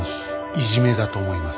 いじめだと思います。